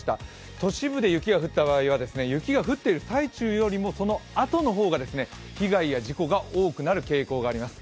都市部で雪が降った場合、雪が降っている最中よりもそのあとの方が被害や事故が多くなる傾向があります。